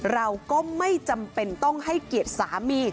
เราก็ไม่จำเป็นต้องให้เกียรติสามี